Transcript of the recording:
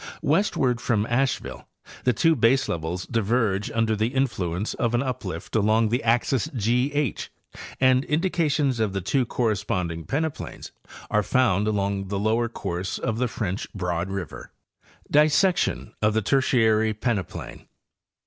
Westward from Asheville the two baselevels diverge under the influence of an uplift along the axis G H and indications of the two corresponding peneplains are found along the lower course of the French Broad river. DISSECTION OF THE TERTIARY PENEPLAIN.